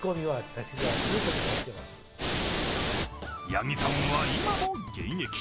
八木さんは今も現役。